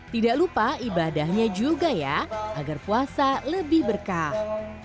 tidak lupa ibadahnya juga ya agar puasa lebih berkah